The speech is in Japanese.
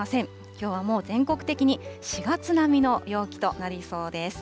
きょうはもう全国的に４月並みの陽気となりそうです。